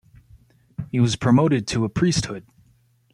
He was promoted to a priesthood.